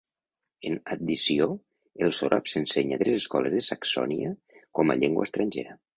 En addició, el sòrab s'ensenya a tres escoles de Saxònia com a llengua estrangera.